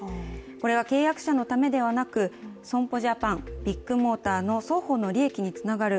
これは契約者のためではなく損保ジャパン、ビッグモーターの双方の利益になる